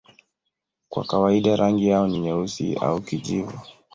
Kwa kawaida rangi yao ni nyeusi au kijivu.